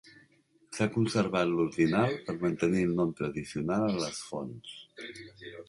S'ha conservat l'ordinal per mantenir el nom tradicional a les fonts.